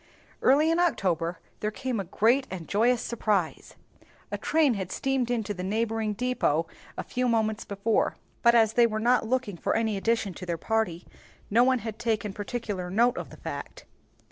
Early in October there came a great and joyful surprise. A train had steamed into the neighboring depôt a few moments before, but as they were not looking for any addition to their party, no one had taken particular note of the fact.